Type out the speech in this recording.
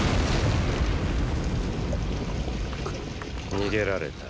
逃げられた。